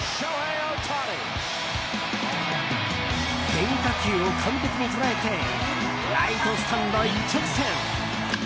変化球を完璧に捉えてライトスタンド一直線！